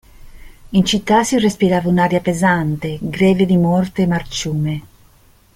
In città si respirava un'aria pesante, greve di morte e marciume.